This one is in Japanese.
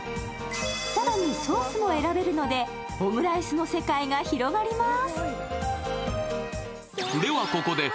更にソースも選べるのでオムライスの世界が広がります。